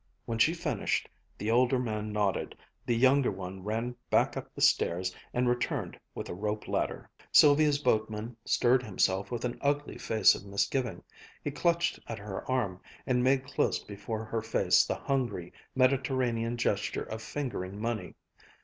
When she finished, the older man nodded, the younger one ran back up the stairs, and returned with a rope ladder. Sylvia's boatman stirred himself with an ugly face of misgiving. He clutched at her arm, and made close before her face the hungry, Mediterranean gesture of fingering money.